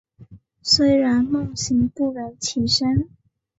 虽然梦醒不忍起身